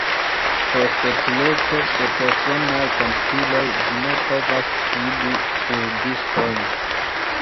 Por sekureco de personaj komputiloj ĝi ne povas skribi sur diskojn.